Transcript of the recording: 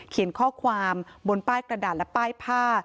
เขียนข้อความบนป้ายกระดาษและป้ายผ้า